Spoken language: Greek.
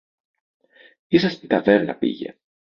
Ίσα στην ταβέρνα πήγε.